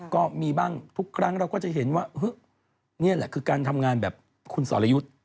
ก็มีบ้างทุกครั้งเราก็จะเห็นว่านี่แหละคือการทำงานแบบคุณสอรยุทธ์